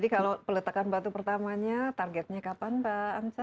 kalau peletakan batu pertamanya targetnya kapan pak ansar